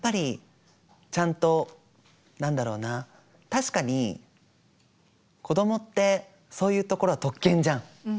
確かに子供ってそういうところは特権じゃん。